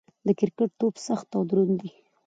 د کرکټ توپ سخت او دروند يي.